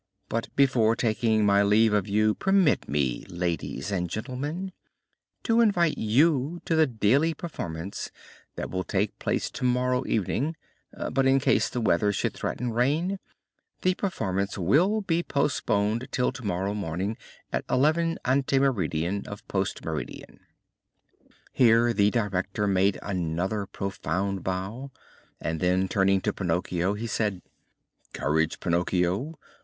But before taking my leave of you, permit me, ladies and gentlemen, to invite you to the daily performance that will take place tomorrow evening; but in case the weather should threaten rain, the performance will be postponed till tomorrow morning at 11 ante meridian of post meridian." Here the director made another profound bow, and, then turning to Pinocchio, he said: "Courage, Pinocchio!